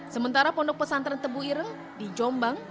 sementara pondok pesantren tebu ireng di jombang